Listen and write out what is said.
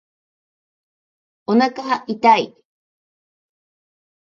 おなか痛い